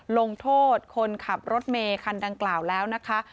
ลงโทษคนขับรถเมคันดังกล่าวแล้วนะคะ